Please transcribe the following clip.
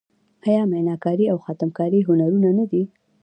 آیا میناکاري او خاتم کاري هنرونه نه دي؟